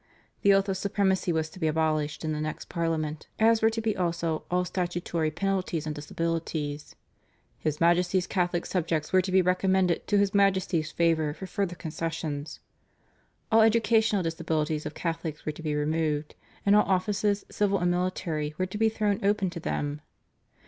The oath of supremacy was to be abolished in the next Parliament, as were to be also all statutory penalties and disabilities; "his Majesty's Catholic subjects were to be recommended to his Majesty's favour for further concessions;" all educational disabilities of Catholics were to be removed, and all offices, civil and military, were to be thrown open to them.